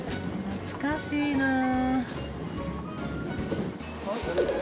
懐かしいな。